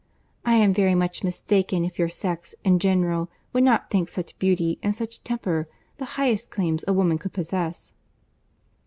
I am very much mistaken if your sex in general would not think such beauty, and such temper, the highest claims a woman could possess."